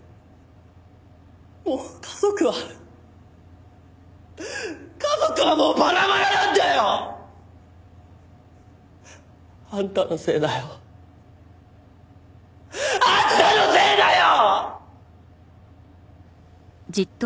もう家族は家族はもうバラバラなんだよ！あんたのせいだよ。あんたのせいだよ！